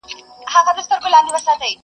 میخانه ده نړېدلې تش له میو ډک خُمونه!.